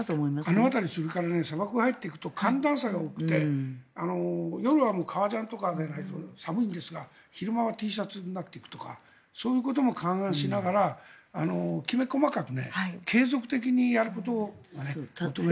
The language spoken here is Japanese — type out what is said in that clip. あの辺り砂漠に入っていくと寒暖差が大きくて夜は革ジャンとかでないと寒いんですが昼間はＴシャツになっているとかそういうことも勘案しながらきめ細かく継続的にやることが求められると思います。